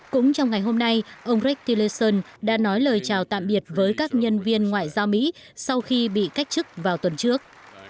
cũng trong ngày hôm nay ông rick tilleson đã nói lời chào tạm biệt với các nhân viên ngoại giao mỹ sau khi bị cách chức vào tuần trước